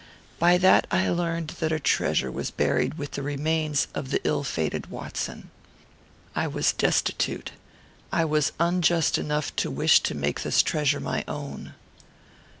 By that I learned that a treasure was buried with the remains of the ill fated Watson. I was destitute. I was unjust enough to wish to make this treasure my own.